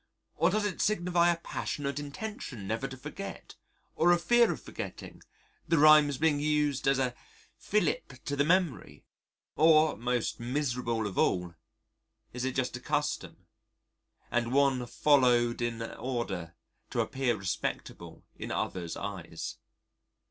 Or does it signify a passionate intention never to forget? or a fear of forgetting, the rhymes being used as a fillip to the memory? Or most miserable of all is it just a custom, and one followed in order to appear respectable in others' eyes?